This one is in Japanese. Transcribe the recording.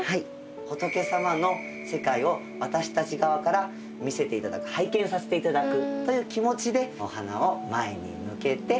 仏様の世界を私たち側から見せていただく拝見させていただくという気持ちでお花を前に向けて置かせていただきます。